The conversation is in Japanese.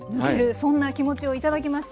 そんな気持ちを頂きました。